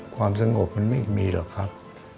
ความสงบมันไม่มีหรอกครับ